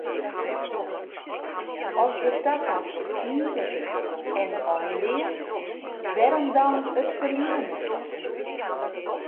As de takomst ivich is en einleas, wêrom dan it ferline net?